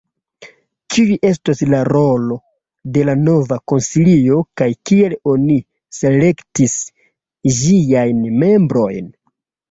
Kiu estos la rolo de la nova konsilio, kaj kiel oni selektis ĝiajn membrojn?